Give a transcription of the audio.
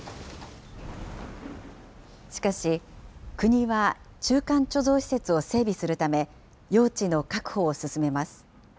しかし、国は中間貯蔵施設を整備するため、用地の確保を進めます。